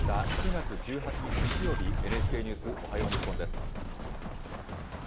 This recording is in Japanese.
９月１８日日曜日、ＮＨＫニュースおはよう日本です。